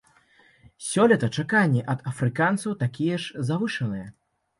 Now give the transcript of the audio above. Сёлета чаканні ад афрыканцаў такія ж завышаныя.